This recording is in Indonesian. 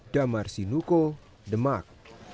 damar sinuko demak